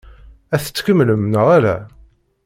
Ad t-tkemmlem neɣ ala?